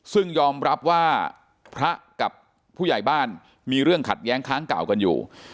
ซึ่งยอมรับว่าพระกับผู้ใหญ่บ้านมีเรื่องขัดแย้งค้างเก่ากันอยู่